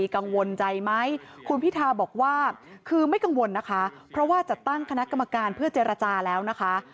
กังวลใจไหมคุณพิทาบอกว่าคือไม่กังวลนะคะเพราะว่าจะตั้งคณะกรรมการเพื่อเจรจาแล้วนะคะ